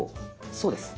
そうです。